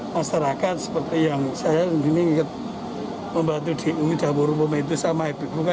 masyarakat seperti yang saya sendiri membantu di ujabur itu sama itu kan sering komunikasi